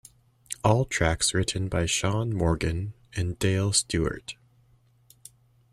All tracks written by Shaun Morgan and Dale Stewart.